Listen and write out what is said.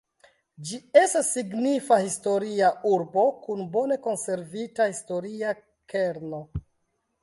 Ĝi estas signifa historia urbo kun bone konservita historia kerno.